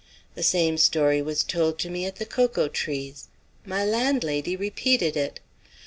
The same story was told to me at the 'Cocoa Trees.' My landlady repeated it.